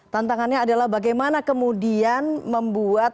tantangannya adalah bagaimana kemudian membuat